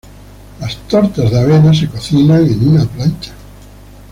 Las tortas de avena se cocinan en una plancha.